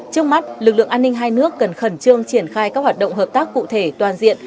trước mắt lực lượng an ninh hai nước cần khẩn trương triển khai các hoạt động hợp tác cụ thể toàn diện